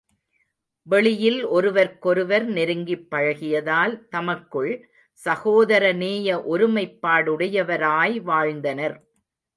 வெளியில் ஒருவர்க்கொருவர் நெருங்கிப் பழகியதால் தமக்குள் சகோதர நேய ஒருமைப்பாடுடையவராய் வாழ்ந்தனர்.